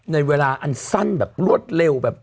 ในเวลาอันสั้นแบบรวดเร็วแบบ